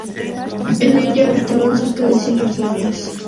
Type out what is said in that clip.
En ella habitan cerca de cien personas, la mayoría de edad avanzada.